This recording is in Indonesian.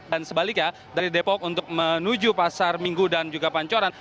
dan sebaliknya dari depok untuk menuju pasar minggu dan juga pancoran